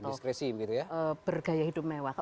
diskresi gitu ya bergaya hidup mewah